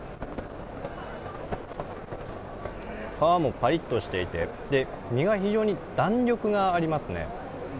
皮もぱりっとしていて身が非常に弾力があります。